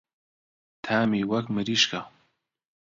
تامی وەک مریشکە.